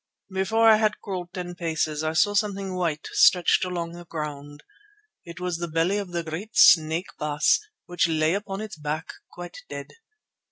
Before I had crawled ten paces I saw something white stretched along the ground. It was the belly of the great snake, Baas, which lay upon its back quite dead.